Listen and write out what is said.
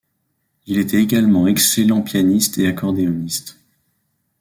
Il était également excellent pianiste et accordéoniste.